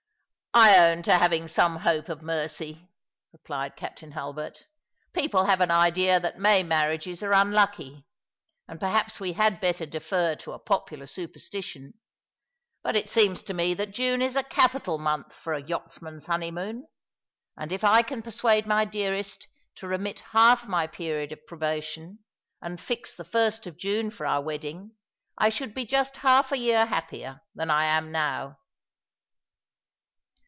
" I own to having some hope of mercy," replied Captain Hulbert. People have an idea that May marriages are unlucky; and perhaps we had better defer to a popular superstition. But it seems to me that June is a capital month for a yachtsman's honeymoon ; and if I can persuade my dearest to remit half my period of probation, and fix the 1st of June for our wedding, I should be just half a year happier than I am now."